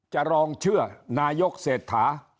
จะลองเชื่อนายกเศรษฐา